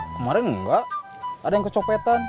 kemarin enggak ada yang kecopetan